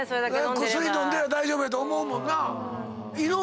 薬飲んでりゃ大丈夫と思うもん。